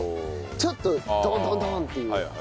ちょっとドンドンドン！っていう。